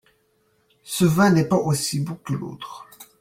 Ce vin n'est pas aussi bon que l'autre.